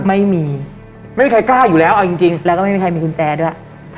ไม่มีใครกล้าอยู่แล้วเอาจริงแล้วก็ไม่มีใครมีกุญแจด้วย